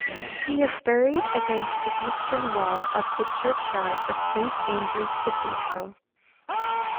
He is buried against the eastern wall of the churchyard of Saint Andrew's Cathedral.